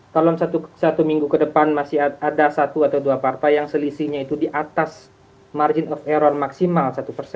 dalam satu minggu ke depan masih ada satu atau dua partai yang selisihnya itu di atas margin of error maksimal satu persen